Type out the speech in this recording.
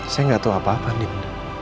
saya gak tahu apa apa din